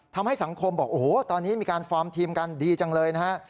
ทำให้สังคมบอกโอ้โหตอนนี้มีการฟอร์มทีมกันดีจังเลยนะฮะ